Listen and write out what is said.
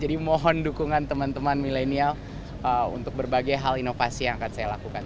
jadi mohon dukungan teman teman milenial untuk berbagai hal inovasi yang akan saya lakukan